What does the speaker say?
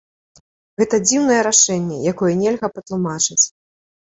Гэта дзіўнае рашэнне, якое нельга патлумачыць.